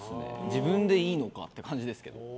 自分でいいのかって感じですけど。